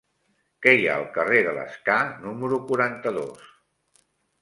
Què hi ha al carrer de l'Escar número quaranta-dos?